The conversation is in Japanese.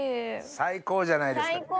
最高じゃないですか。